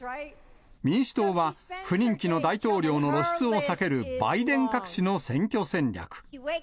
民主党は不人気の大統領の露出を避けるバイデン隠しの選挙戦略。